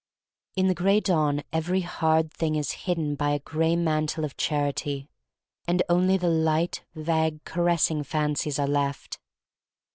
In the Gray Dawn every hard thing is hidden by a gray mantle of charity, and only the light, vague, caressing fancies are left.